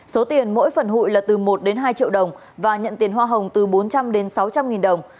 số tiền mỗi phần hụi là từ một đến hai triệu đồng và nhận tiền hoa hồng từ bốn trăm linh đến sáu trăm linh nghìn đồng